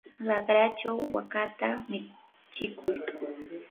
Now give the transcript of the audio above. raqrachaw wakata michikuy.